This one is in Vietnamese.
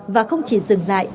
và không chỉ dừng lại